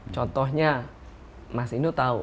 contohnya mas indo tahu